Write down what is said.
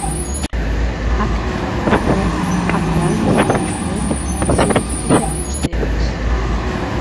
¿A quen favoreceu a parálise da vivenda protexida que fixeron vostedes?